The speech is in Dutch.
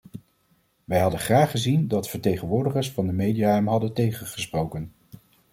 Wij hadden graag gezien dat de vertegenwoordigers van de media hem hadden tegengesproken!